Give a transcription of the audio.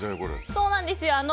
そうなんです。